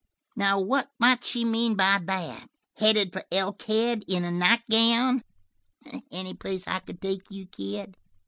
Now what might she mean by that? Headed for Elkhead in a nightgown? Any place I could take you, kid?"